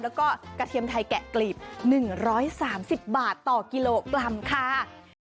แล้วก็กระเทียมไทยแกะกลีบหนึ่งร้อยสามสิบบาทต่อกิโลกรัมค่ะ